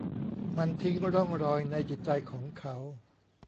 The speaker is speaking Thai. มันทิ้งร่องรอยในจิตใจของเขา